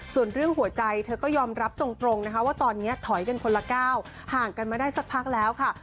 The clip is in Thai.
ส่วนเรื่องหัวใจเธอก็ยอมรับตรงนะคะว่าตอนนี้ถอยกันคนละก้าวห่างกันมาได้สักพักแล้วค่ะ